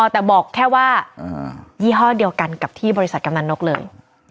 แต่บอกแค่ว่ายี่ห้อเดียวกันกับที่บริษัทกำนันนกเลย